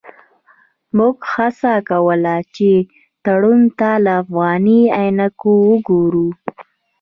موږ هڅه کوله چې تړون ته له افغاني عینکو وګورو.